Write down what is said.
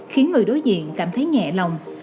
khiến người đối diện cảm thấy nhẹ lòng